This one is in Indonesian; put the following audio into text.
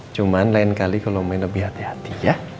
cuman lain kali kalo main lebih hati hati ya